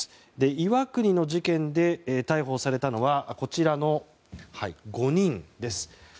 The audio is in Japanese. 岩国の事件で逮捕されたのはこちらの５人です。